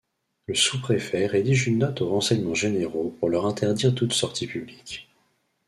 Le sous-préfet rédige une note aux Renseignements généraux pour leur interdire toute sortie publique.